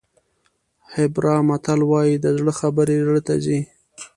هیبرا متل وایي د زړه خبرې زړه ته ځي.